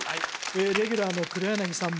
レギュラーの黒柳さん